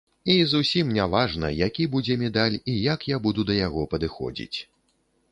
І зусім не важна, які будзе медаль і як я буду да яго падыходзіць.